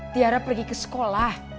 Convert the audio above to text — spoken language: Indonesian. tiara pergi ke sekolah